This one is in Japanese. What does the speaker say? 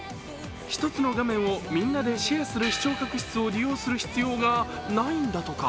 １つの画面をみんなでシェアする視聴覚室を利用する必要がないんだとか。